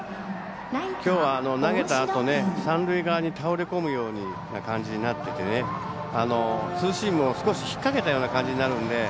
きょうは、投げたあと三塁側に倒れ込むような感じになってツーシームを少し引っ掛けたような感じになるので。